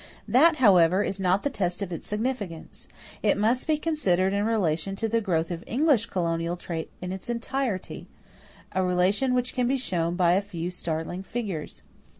That, however, is not the test of its significance. It must be considered in relation to the growth of English colonial trade in its entirety a relation which can be shown by a few startling figures.